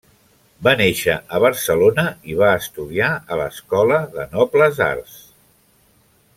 Va néixer a Barcelona i va estudiar a l'Escola de Nobles Arts.